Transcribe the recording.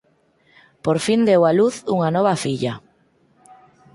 Por fin deu a luz unha nova filla.